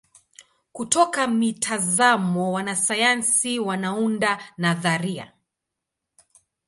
Kutoka mitazamo wanasayansi wanaunda nadharia.